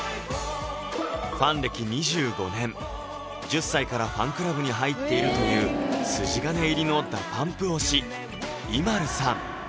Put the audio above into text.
１０歳からファンクラブに入っているという筋金入りの「ＤＡＰＵＭＰ」推しＩＭＡＬＵさん